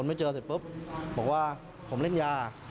ไม่เจอเสร็จปุ๊บบอกว่าผมเล่นยา